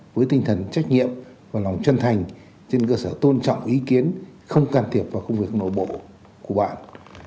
với tinh thần trách nhiệm và lòng chân thành trên cơ sở tôn trọng ý kiến không can thiệp vào công việc nội bộ của bạn